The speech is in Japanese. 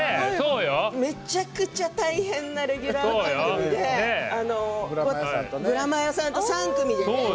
めちゃくちゃ大変なレギュラー番組でブラマヨさんと３組でね